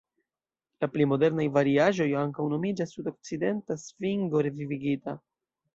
La pli modernaj variaĵoj ankaŭ nomiĝas "sudokcidenta svingo revivigita".